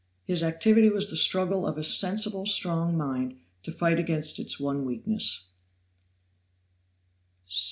His activity was the struggle of a sensible, strong mind to fight against its one weakness.